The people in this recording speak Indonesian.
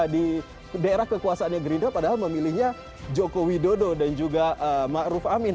di daerah kekuasaannya gerindra padahal memilihnya joko widodo dan juga ma'ruf amin